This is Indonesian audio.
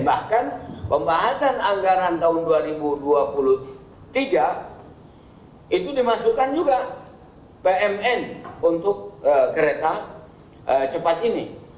bahkan pembahasan anggaran tahun dua ribu dua puluh tiga itu dimasukkan juga pmn untuk kereta cepat ini